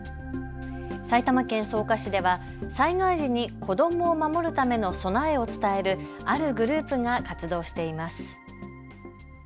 埼玉県草加市では災害時に子どもを守るための備えを伝えるあるグループが活動しています。